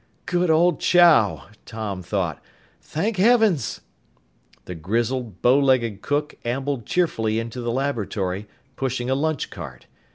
"Good old Chow!" Tom thought. "Thank heavens!" The grizzled, bowlegged cook ambled cheerfully into the laboratory, pushing a lunch cart.